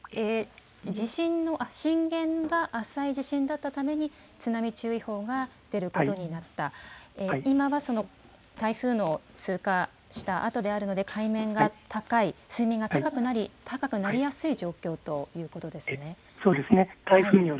震源が浅い地震だったために津波注意報が出ることになった、今はその台風の通過したあとであるので海面が高い、水面が高くなりやすい状況にあるということですね。